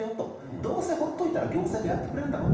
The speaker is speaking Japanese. どうせほっといたら行政がやってくれるんだろうと。